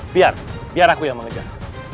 biar biar aku yang mengejar